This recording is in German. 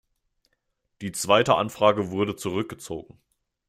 Die zweite Anfrage wurde zurückgezogen.